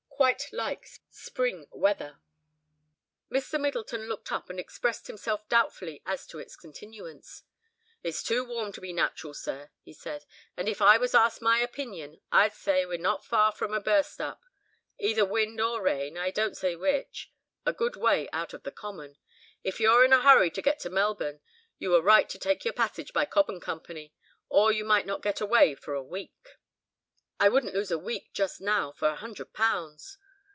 "Quite like spring weather." Mr. Middleton looked up and expressed himself doubtfully as to its continuance. "It's too warm to be natural, sir," he said, "and if I was asked my opinion, I'd say we're not far from a burst up, either wind or rain, I don't say which, a good way out of the common. If you're in a hurry to get to Melbourne, you were right to take your passage by Cobb and Co., or you might not get away for a week." "I wouldn't lose a week just now for a hundred pounds."